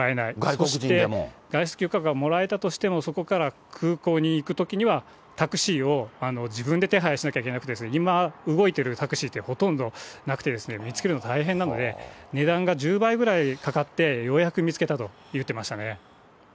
そして外出許可がもらえたとしても、そこから空港に行くときには、タクシーを自分で手配しなきゃいけなくて、今、動いてるタクシーってほとんどなくて、見つけるの大変なので、値段が１０倍ぐらいかかって、ようやく見つけたと言ってましたね。